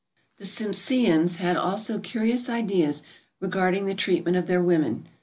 The Tsimpseans had also curious ideas regarding the treatment of their women.